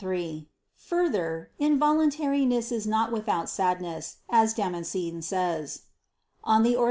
3: Further, "involuntariness is not without sadness," as Damascene says (De Fide Orth.